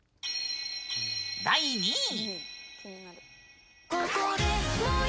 第２位！